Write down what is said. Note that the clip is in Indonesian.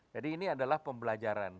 jadi ini adalah pembelajaran